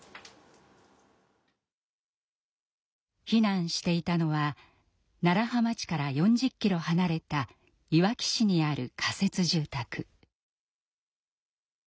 避難していたのは楢葉町から４０キロ離れたいわき市にある仮設住宅。